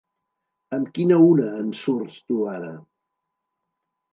¿Amb quina una ens surts tu ara?